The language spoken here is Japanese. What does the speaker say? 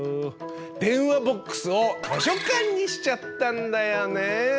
電話ボックスを図書館にしちゃったんだよね。